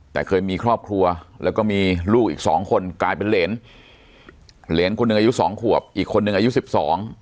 แต่เคยมีครอบครัวแล้วก็มีลูกอีกสองคนกลายเป็นเหรนเหรนคนหนึ่งอายุสองขวบอีกคนนึงอายุสิบสอง